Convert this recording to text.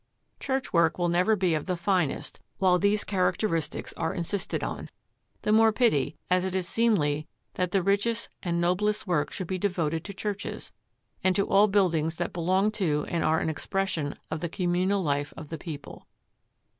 Church work will never be of the finest while these characteristics are insisted on; the more pity, as it is seemly that the richest and noblest work should be devoted to churches, and to all buildings that belong to and are an expression of the communal life of the people.